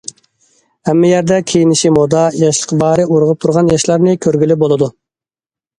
ھەممە يەردە كىيىنىشى مودا، ياشلىق باھارى ئۇرغۇپ تۇرغان ياشلارنى كۆرگىلى بولىدۇ.